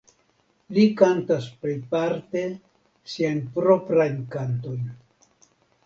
Li kantas plejparte siajn proprajn kantojn.